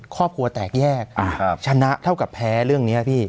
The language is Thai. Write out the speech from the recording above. ครอบครัวแตกแยกชนะเท่ากับแพ้เรื่องนี้พี่